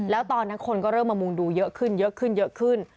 แล้วตอนนั้นคนก็เริ่มมามุงดูเยอะขึ้นเยอะขึ้นเยอะขึ้น